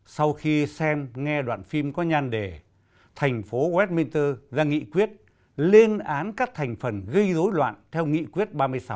sau khi xem nghe đoạn phim có nhan đề thành phố westminster ra nghị quyết lên án các thành phần gây dối loạn theo nghị quyết ba mươi sáu